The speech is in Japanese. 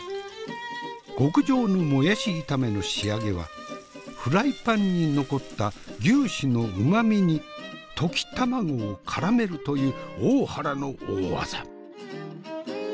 極上のもやし炒めの仕上げはフライパンに残った牛脂の旨味に溶き卵をからめるという大原の大技。